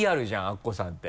アッコさんって。